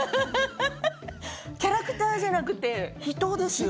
キャラクターじゃなくて人ですよね。